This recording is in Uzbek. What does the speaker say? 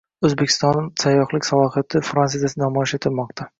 O‘zbekiston sayyohlik salohiyati Fransiyada namoyish etilmoqda